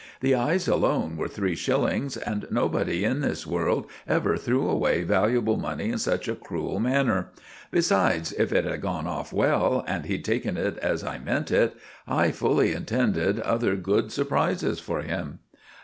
The eyes alone were three shillings; and nobody in this world ever threw away valuable money in such a cruel manner. Besides, if it had gone off well and he'd taken it as I meant it, I fully intended other good surprises for him."